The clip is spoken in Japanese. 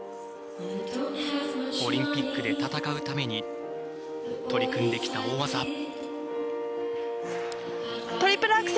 オリンピックで戦うために取り組んできた大技。